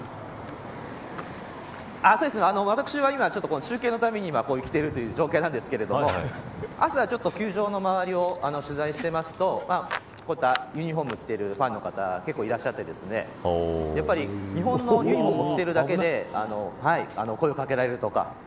私は今、中継のためにこれを着てるという状況なんですけど朝、球場の周りを取材しているとこういったユニホームを着ているファンの方、結構いらっしゃってやっぱり日本のユニホームを着ているだけで声を掛けられるとか。